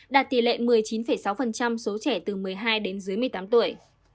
đạt tỷ lệ một mươi chín sáu số trẻ từ một mươi hai đến dưới một mươi tám tuổi